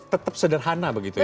tetap sederhana begitu ya